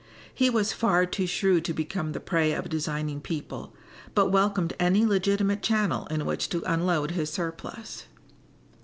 He was far too shrewd to become the prey of designing people, but welcomed any legitimate channel in which to unload his surplus.